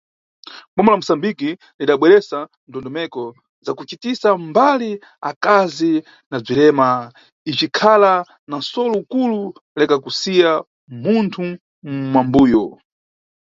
Boma la Mosambiki, lidabweresa ndondomeko za kucitisa mbali akazi na bzirema, icikhala na nʼsolo ukulu Leka kusiya munthu mʼmambuyo.